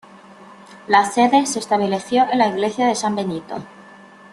La sede se estableció en la iglesia de San Benito.